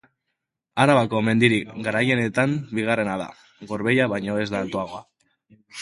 Arabako mendirik garaienetan bigarrena da; Gorbeia baino ez da altuagoa.